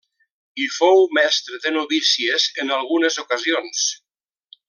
Hi fou mestra de novícies en algunes ocasions.